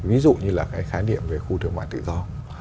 ví dụ như là cái khái niệm về khu thương mại tự do